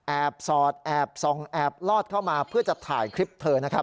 แอบสอดแอบส่องแอบลอดเข้ามาเพื่อจะถ่ายคลิปเธอ